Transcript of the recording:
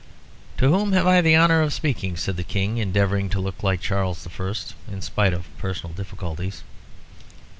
"To whom have I the honour of speaking?" said the King, endeavouring to look like Charles I., in spite of personal difficulties.